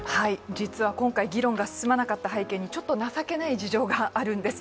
実は今回議論が進まなかった背景にちょっと情けない事情があるんです。